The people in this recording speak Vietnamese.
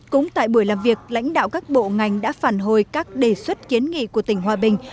cũng tại buổi làm việc lãnh đạo các bộ ngành đã phản hồi các đề xuất kiến nghị của tỉnh hòa bình